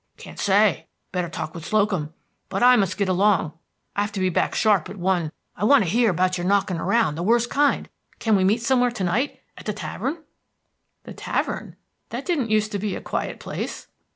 "Can't say. Better talk with Slocum. But I must get along; I have to be back sharp at one. I want to hear about your knocking around the worst kind. Can't we meet somewhere tonight, at the tavern?" "The tavern? That didn't used to be a quiet place."